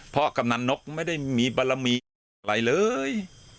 เพราะกำนันนกไม่ได้มีบารมีอะไรเลย